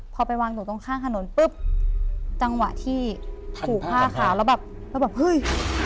พอไปวางหนูตรงข้างถนนปุ๊บจังหวะที่ผูกผ้าขาวแล้วแบบแล้วแบบเฮ้ย